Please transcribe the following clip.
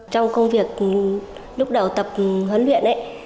trong công việc lúc đầu tập huấn luyện